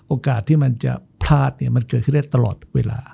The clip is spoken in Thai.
โอกาสที่มันจะพลาดมันเกิดขึ้นได้ตลอดเวลา